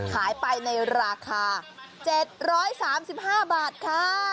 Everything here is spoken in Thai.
ขายไปในราคา๗๓๕บาทค่ะ